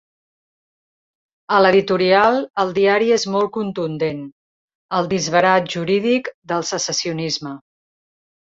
A l’editorial, el diari és molt contundent: El disbarat jurídic del secessionisme.